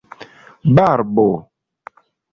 barbo